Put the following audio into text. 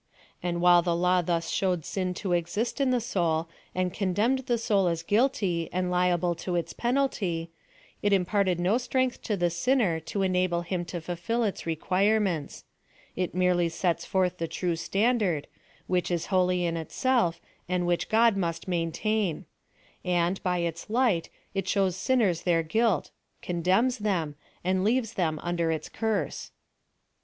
And while the law thas showed sin to exist in the soul, and condemn ed the soul as guilty and liable to its penalty, it imparled no strength to the sinner to enable him to fulfil its recjiiirements : it anerely sets forth the true standard, which is holy in itself, and which God must maintain ; and, by its light, it shows sinners their guilt, condemns them, and leaves them under its curse.